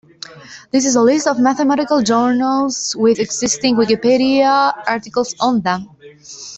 This is a list of mathematical journals with existing Wikipedia articles on them.